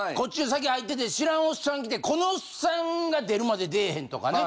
先入ってて知らんおっさん来てこのおっさんが出るまで出ぇへんとかね。